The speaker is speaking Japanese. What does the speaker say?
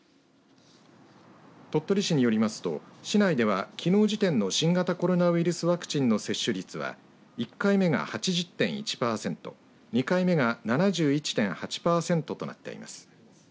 鳥取市によりますと市内ではきのう時点の新型コロナウイルスワクチンの接種率は１回目が８０．１パーセント２回目が７１．８パーセントとなっています。